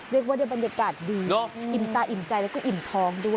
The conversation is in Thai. เรียกว่าได้บรรยากาศดีอิ่มตาอิ่มใจแล้วก็อิ่มท้องด้วย